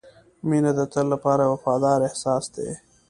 • مینه د تل لپاره یو وفادار احساس دی.